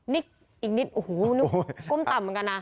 นี่อีกนิดโอ้โหก้มต่ำเหมือนกันนะ